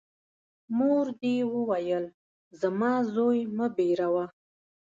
مور دي وویل : زما زوی مه بېروه!